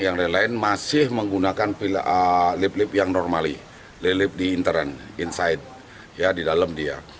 yang lain lain masih menggunakan lift lift yang normal di intern insight di dalam dia